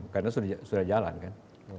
karena sudah jalan kan